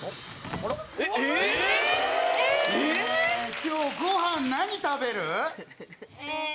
ね今日ご飯何食べる？え。